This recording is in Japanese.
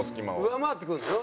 上回ってくるの？